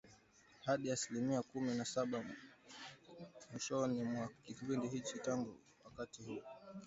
hadi asilimia kumi na saba mwishoni mwa kipindi hicho Tangu wakati huo